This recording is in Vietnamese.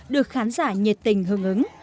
được khán giả nhiệt tình hương ứng